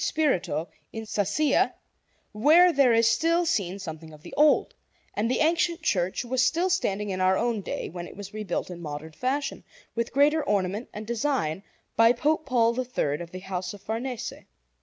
Spirito in Sassia, where there is still seen something of the old; and the ancient church was still standing in our own day, when it was rebuilt in modern fashion, with greater ornament and design, by Pope Paul III of the house of Farnese.